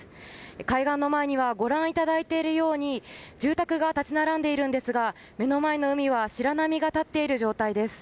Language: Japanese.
海岸の前にはご覧いただいているように住宅が立ち並んでいますが目の前の海は白波が立っている状態です。